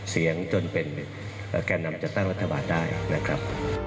เสียงจนเป็นแก่นำจัดตั้งรัฐบาลได้นะครับ